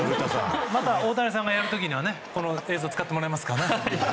また、大谷さんがやる時にはこの映像を使ってもらいますからね。